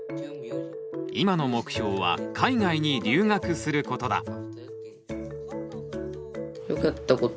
今の目標は海外に留学することだ。